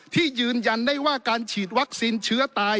ยืนยันได้ว่าการฉีดวัคซีนเชื้อตาย